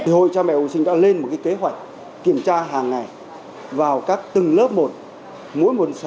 hội cha mẹ hồ sinh đã lên một kế hoạch kiểm tra hàng ngày vào các từng lớp một